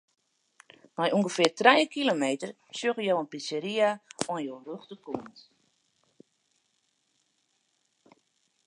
Nei ûngefear trije kilometer sjogge jo in pizzeria oan jo rjochterkant.